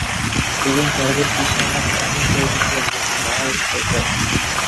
بۈگۈن تەقدىر - پېشانەڭ ئوڭدىن كەلگىنىگە مەنمۇ ناھايىتى خۇشال.